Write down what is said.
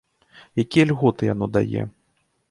Якія льготы яно дае?